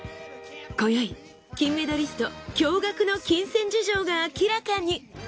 今宵金メダリスト驚愕の金銭事情が明らかに。